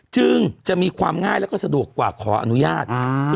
จึงจะมีความง่ายแล้วก็สะดวกกว่าขออนุญาต